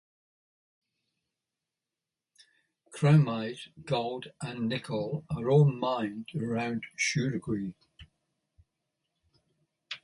Chromite, gold and nickel are all mined around Shurugwi.